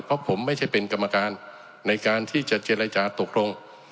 เพราะผมไม่ใช่เป็นกรรมการในการที่จะเจรจาตกลง